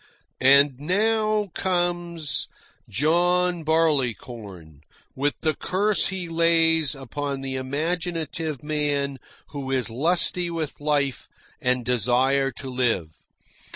And now comes John Barleycorn with the curse he lays upon the imaginative man who is lusty with life and desire to live.